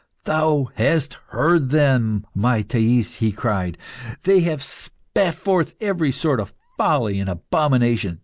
"Thou hast heard them, my Thais!" he cried. "They have spat forth every sort of folly and abomination.